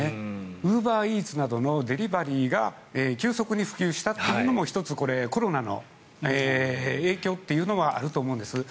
ウーバーイーツなどのデリバリーが急速に普及したのも１つコロナの影響というのもあると思うんです。